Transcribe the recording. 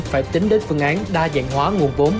phải tính đến phương án đa dạng hóa nguồn vốn